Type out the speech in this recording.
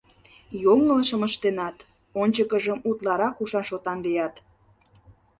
Йоҥылышым ыштенат, ончыкыжым утларак ушан-шотан лият!